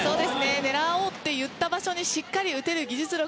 狙おうと言った場所にしっかり打てる技術力。